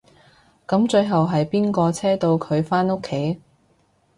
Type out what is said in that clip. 噉最後係邊個車到佢返屋企？